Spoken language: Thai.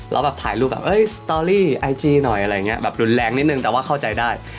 แล้วแบบถ่ายรูปแบบเอ้ยสตอรี่ไอจีหน่อยอะไรอย่างนี้แบบรุนแรงนิดนึงแต่ว่าเข้าใจได้